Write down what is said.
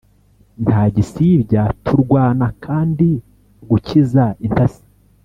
ntagisibya turwana kandi gukiza intasi